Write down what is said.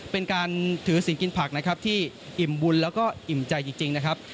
เป็นการถือสินกินผักนะครับที่อิ่มบุญแล้วก็อิ่มใจจริงนะครับ